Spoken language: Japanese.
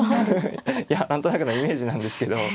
いや何となくのイメージなんですけど。